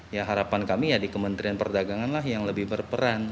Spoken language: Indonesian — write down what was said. ya harapan kami ya di kementerian perdagangan lah yang lebih berperan